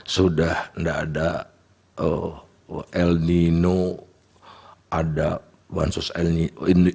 sudah tidak ada lnino ada bansos lnino